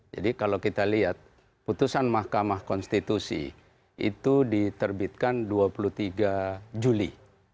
jadi kalau kita lihat putusan mahkamah konstitusi itu diterbitkan dua puluh tiga juli dua ribu tujuh belas